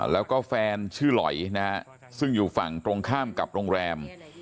แล้วก็แฟนชื่อหลอยนะฮะซึ่งอยู่ฝั่งตรงข้ามกับโรงแรม